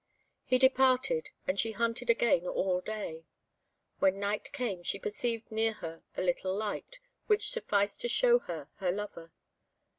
He departed, and she hunted again all day. When night came, she perceived near her a little light, which sufficed to show her her lover.